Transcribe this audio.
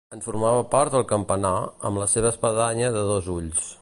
En formava part el campanar, amb la seva espadanya de dos ulls.